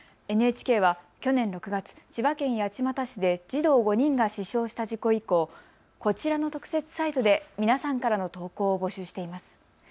ＮＨＫは去年６月、千葉県八街市で児童５人が死傷した事故以降、こちらの特設サイトで皆さんからの投稿を募集しています。